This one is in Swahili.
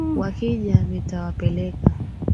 Wakija nitawapeleka.